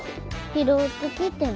拾うてきてん。